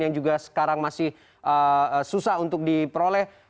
yang juga sekarang masih susah untuk diperoleh